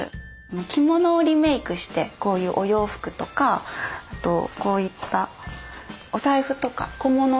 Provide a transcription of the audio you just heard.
着物をリメークしてこういうお洋服とかあとこういったお財布とか小物を作ったりしてるんです。